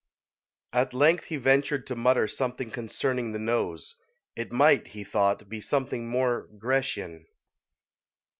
At length he ventured to mutter something concerning the nose it might, he thought, be something more Grecian.